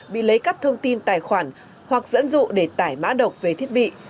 bị lấy cắp thông tin tài khoản hoặc dẫn dụ để tải mã độc về thiết bị